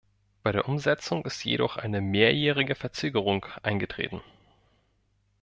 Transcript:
Bei der Umsetzung ist jedoch eine mehrjährige Verzögerung eingetreten.